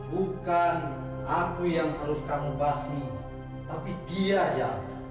bukan aku yang harus kamu basi tapi dia aja